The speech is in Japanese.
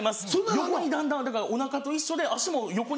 横にだんだんだからお腹と一緒で足も横に。